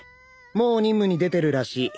もう任務に出てるらしい。